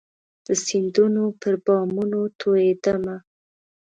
د سیندونو پر بامونو توئيدمه